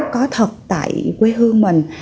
có thật tại quê hương mình